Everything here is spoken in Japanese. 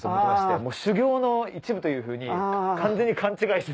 修行の一部というふうに完全に勘違いしてて。